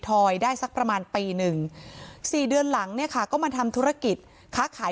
อยได้สักประมาณปีหนึ่งสี่เดือนหลังเนี่ยค่ะก็มาทำธุรกิจค้าขาย